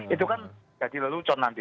itu kan jadi lelucon nanti